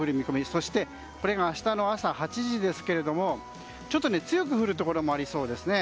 そして明日の朝８時ですけれども強く降るところもありそうですね。